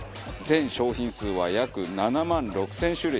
全商品数は約７万６０００種類。